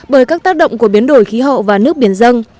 bởi các tác động của biến đổi khí hậu và nước biển dân